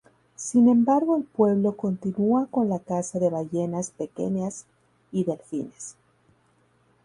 Sin embargo el pueblo continúa con la caza de ballenas pequeñas y delfines.